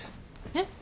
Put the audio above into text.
えっ？